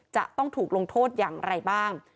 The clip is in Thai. จะต้องถูกลงโทษอย่างไรบ้าง